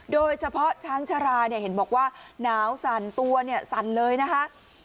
โดยเฉพาะช้างชาราเนี่ยเห็นบอกว่าหนาวสั่นตัวเนี่ยสั่นเลยนะคะ